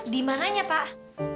di mananya pak